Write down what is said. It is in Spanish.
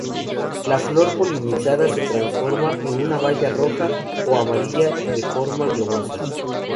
La flor polinizada se transforma en una baya roja o amarilla, de forma globosa.